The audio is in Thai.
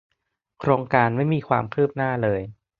โครงการไม่มีความคืบหน้าเลย